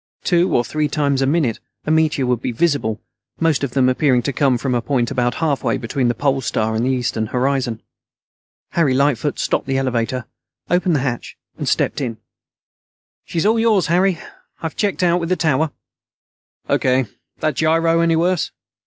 Two or three times a minute a meteor would be visible, most of them appearing to come from a point about halfway between the Pole Star and the eastern horizon. Harry Lightfoot stopped the elevator, opened the hatch, and stepped in. "She's all yours, Harry. I've already checked out with the tower." "O.K. That gyro any worse?"